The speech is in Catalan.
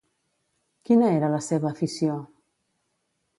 Quina era la seva afició?